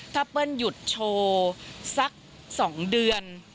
ถ้าเปิ้ลหยุดโชว์สัก๒เดือน